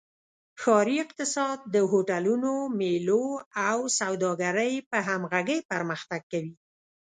ښاري اقتصاد د هوټلونو، میلو او سوداګرۍ په همغږۍ پرمختګ کوي.